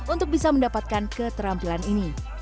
untuk bisa mendapatkan keterampilan ini